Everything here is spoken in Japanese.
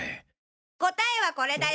答えはコレだよ。